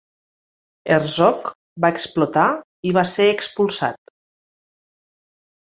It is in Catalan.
Herzog va explotar i va ser expulsat.